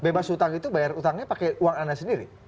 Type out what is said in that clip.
bebas utang itu bayar utangnya pakai uang anda sendiri